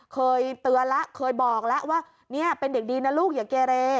เคยเตือนแล้วเคยบอกแล้วว่าเนี่ยเป็นเด็กดีนะลูกอย่าเกเร